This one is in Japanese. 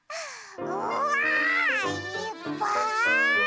うわ！いっぱい！